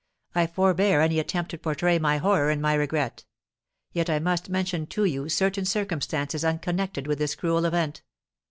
I forbear any attempt to portray my horror and my regret. Yet I must mention to you certain circumstances unconnected with this cruel event.